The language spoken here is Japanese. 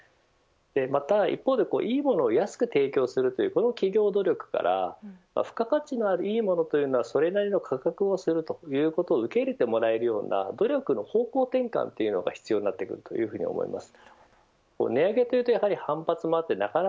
また一方でいいものを安くできるというこの企業努力から付加価値のあるいいものはそれなりの価格をすることを受け入れてもらえるような努力の方向転換が必要になってくると思います。